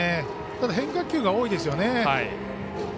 ただ、変化球が多いですね。